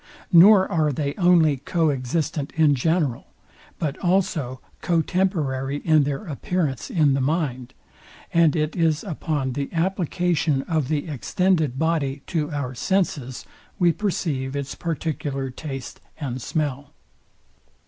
Nor are they only co existent in general, but also co temporary in their appearance in the mind; and it is upon the application of the extended body to our senses we perceive its particular taste and smell.